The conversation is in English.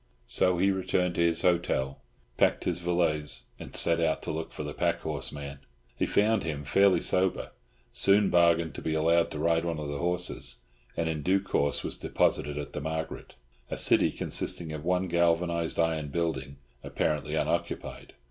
So he returned to his hotel, packed his valise, and set out to look for the pack horse man. He found him fairly sober; soon bargained to be allowed to ride one of the horses, and in due course was deposited at the Margaret—a city consisting of one galvanised iron building, apparently unoccupied.